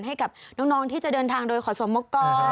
ให้กับน้องที่จะเดินทางโดยขอสมกร